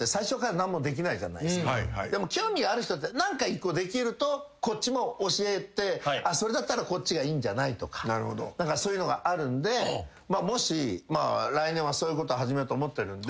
でも興味がある人だったら何か１個できるとこっちも教えてそれだったらこっちがいいんじゃないとかそういうのがあるんで来年はそういうことを始めようと思ってるんで。